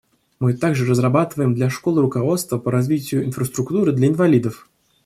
Мы также разрабатываем для школ руководство по развитию инфраструктуры для инвалидов.